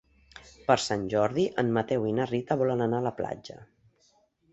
Per Sant Jordi en Mateu i na Rita volen anar a la platja.